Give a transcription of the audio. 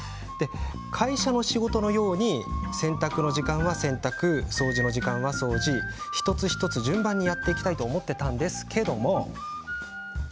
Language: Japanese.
会社の仕事のように洗濯の時間は洗濯掃除の時間は掃除一つ一つ順番にやっていきたいと思っていたんですが。